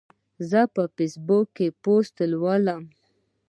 زه په فیسبوک کې پوسټ لولم.